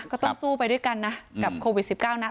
ก็ต้องสู้ไปด้วยกันนะกับโควิด๑๙นะ